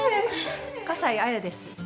葛西綾です。